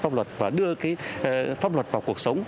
pháp luật và đưa cái pháp luật vào cuộc sống